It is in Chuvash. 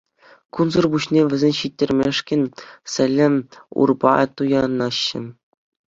Кунсӑр пуҫне вӗсене ҫитермешкӗн сӗлӗ, урпа туянаҫҫӗ.